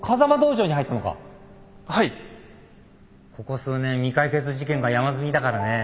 ここ数年未解決事件が山積みだからね。